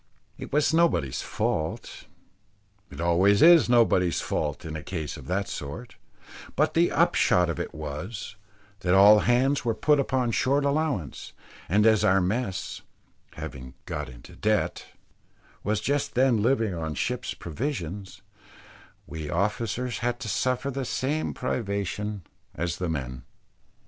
It was nobody's fault it always is nobody's fault in a case of that sort but the upshot of it was, that all hands were put upon short allowance; and as our mess having got into debt was just then living on ship's provisions, we officers had to suffer the same privations as the men.